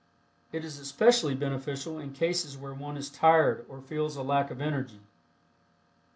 It is especially beneficial In cases where one is tired or feels a lack of energy.